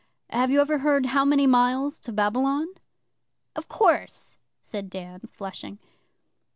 Have you ever heard "How many miles to Babylon?"?' 'Of course,' said Dan, flushing.